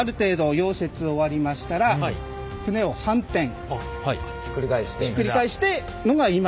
溶接終わりましたらひっくり返して。